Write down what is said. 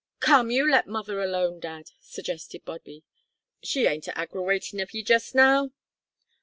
"Come, you let mother alone, dad," suggested Bobby, "she ain't a aggrawatin' of you just now."